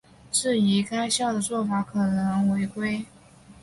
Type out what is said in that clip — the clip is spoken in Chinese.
质疑该校的做法可能违规。